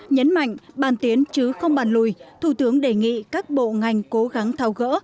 nhấn mạnh bàn tiến chứ không bàn lùi thủ tướng đề nghị các bộ ngành cố gắng thao gỡ